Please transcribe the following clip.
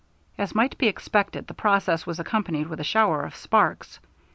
As might be expected, the process was accompanied with a shower of sparks.